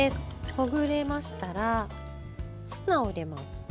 ほぐれましたらツナを入れます。